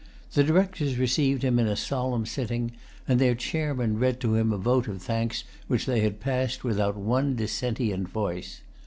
The Directors received him in a solemn sitting; and their chairman read to him a vote of thanks which they had passed without one dissentient voice.